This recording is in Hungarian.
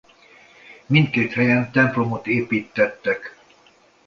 Mindkét helyen templomot építtettek.